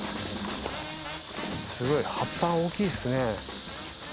すごい葉っぱ大きいですね。